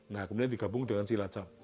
nah kemudian digabung dengan cilacap